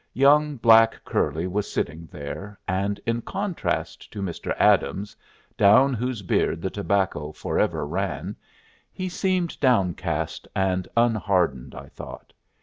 Young black curly was sitting there, and, in contrast to Mr. Adams, down whose beard the tobacco forever ran, he seemed downcast and unhardened, I thought.